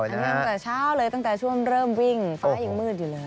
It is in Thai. ตั้งแต่เช้าเลยตั้งแต่ช่วงเริ่มวิ่งฟ้ายังมืดอยู่เลย